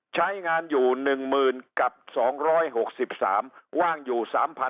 ใช้งานอยู่๑๐๐๐กับ๒๖๓ว่างอยู่๓๐๐๐